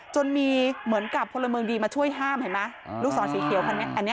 จนมีเหมือนกับพลเมืองดีมาช่วยห้ามเห็นไหมลูกศรสีเขียวคันนี้อันนี้